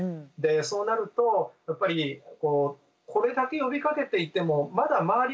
そうなるとやっぱりこれだけ呼びかけていてもまだ周り